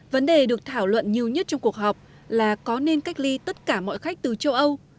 vấn đề được thảo luận nhiều nhất trong cuộc họp là có nên cách ly tất cả mọi khách từ châu âu